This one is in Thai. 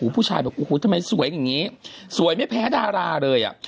ผู้ชายแบบโอ้โหทำไมสวยอย่างนี้สวยไม่แพ้ดาราเลย